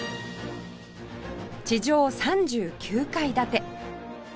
地上３９階建て